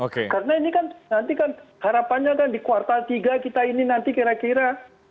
karena ini kan nanti kan harapannya kan di kuartal tiga kita ini nanti kira kira